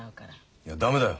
いや駄目だよ。